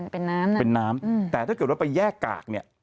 เป็นน้ำนะเป็นน้ำอืมแต่ถ้าเกิดว่าไปแยกกากเนี่ย